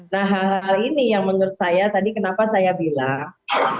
nah hal hal ini yang menurut saya tadi kenapa saya bilang